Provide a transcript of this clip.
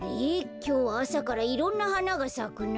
きょうはあさからいろんなはながさくな。